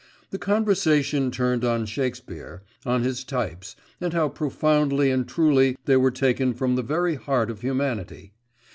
The conversation turned on Shakespeare, on his types, and how profoundly and truly they were taken from the very heart of humanity.